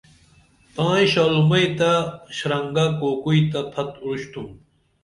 تائی شالُومئی تہ شِرانگہ کوکُوئی تہ پھت اُرُشتُم